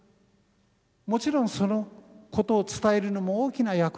もちろんそのことを伝えるのも大きな役目です。